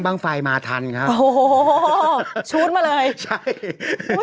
เพราะว่าเขาเตือนแล้วว่า